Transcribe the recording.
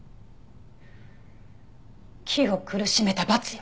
木を苦しめた罰よ！